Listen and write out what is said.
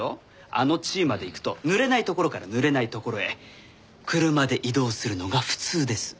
あの地位までいくと濡れないところから濡れないところへ車で移動するのが普通です。